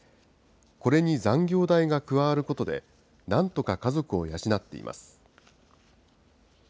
これに残業代が加わることで、なんとか家族を養っています。